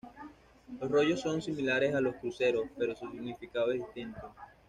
Los rollos son similares a los cruceros, pero su significado es distinto.